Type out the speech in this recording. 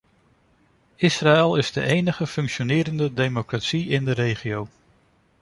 Israël is de enige functionerende democratie in de regio.